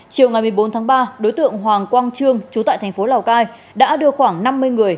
chiều ngày một mươi bốn tháng ba đối tượng hoàng quang trương chú tại thành phố lào cai đã đưa khoảng năm mươi người